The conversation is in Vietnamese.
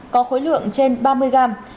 có khối lượng trên ba mươi gram